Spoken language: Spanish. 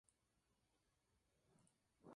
Entre ellos está Becerril de la Sierra.